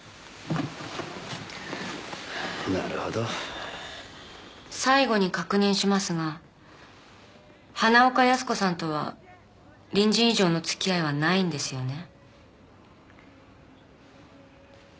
なるほど最後に確認しますが花岡靖子さんとは隣人以上の付き合いはないんですよね？